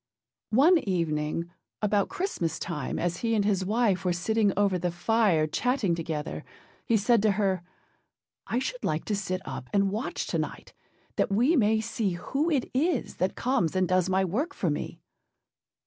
One evening, about Christmas time, as he and his wife were sitting over the fire chatting together, he said to her, âI should like to sit up and watch tonight, that we may see who it is that comes and does my work for me.